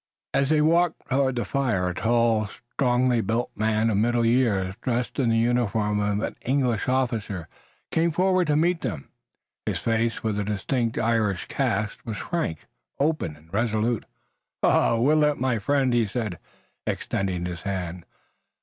As they walked toward the fire a tall, strongly built man, of middle years, dressed in the uniform of an English officer, came forward to meet them. His face, with a distinct Irish cast, was frank, open and resolute. "Ah, Willet, my friend," he said, extending his hand.